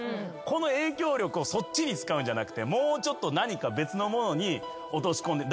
この影響力をそっちに使うんじゃなくてもうちょっと何か別のものに落とし込んで。